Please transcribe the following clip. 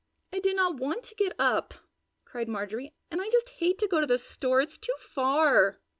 "I did not want to get up!" cried Marjorie, "and I just hate to go to the store! It's too far!"